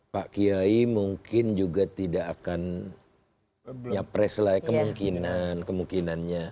pak kiai mungkin juga tidak akan nyapres lagi kemungkinan